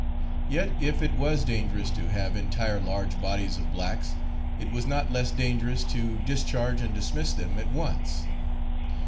Yet, if it was dangerous to have entire large bodies of blacks, it was not less dangerous to discharge and dismiss them at once.